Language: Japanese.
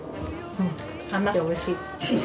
うん甘くておいしい。